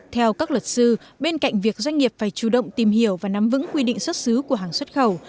theo các luật sư bên cạnh việc doanh nghiệp phải chủ động tìm hiểu và nắm vững quy định xuất xứ của hàng xuất khẩu